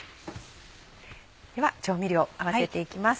では調味料合わせていきます。